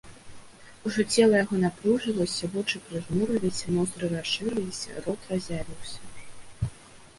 Ужо цела яго напружылася, вочы прыжмурыліся, ноздры расшырыліся, рот разявіўся.